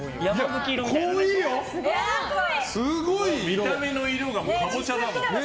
見た目の色がカボチャだもん。